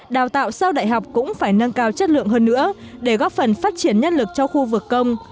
đào tạo sau đại học cũng phải nâng cao chất lượng hơn nữa để góp phần phát triển nhân lực cho khu vực công